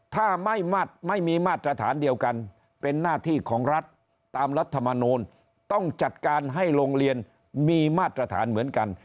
ถ้าไม่มีมาตรฐานเดียวกันเป็นหน้าที่ของรัฐตามรัฐมนูลต้องจัดการให้โรงเรียนมีมาตรฐานเหมือนกัน